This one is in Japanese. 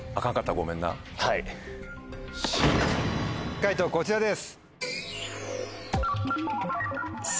解答こちらです。